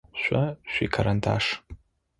Шъо шъуикарандаш.